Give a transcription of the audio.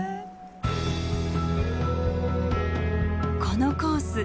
このコース